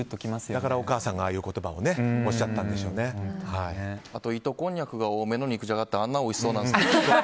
だからお母さんがああいう言葉をあと糸こんにゃくが多めの肉じゃがってあんなおいしそうなんですね。